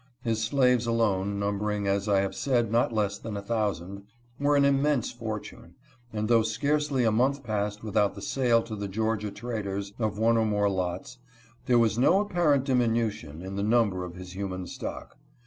His slaves alone, numbering as I have said not less than a thousand, were an immense fortune, and though scarcely a month passed without the sale to the Georgia traders, of one or more lots, there was no apparent diminution in the number of his human stock.